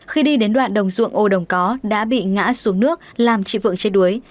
khi đi đến đoạn đồng ruộng ô đồng có đã bị ngã xuống nước làm chị vượng chết đuối